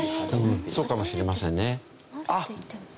そうかもしれませんね。